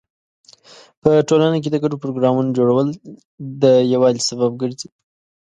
په ټولنه کې د ګډو پروګرامونو جوړول د یووالي سبب ګرځي.